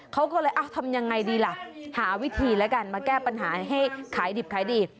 เขาก็เลยทำยังไงดีล่ะหาวิธีแล้วกันมาแก้ปัญหาให้ขายดิบขายดี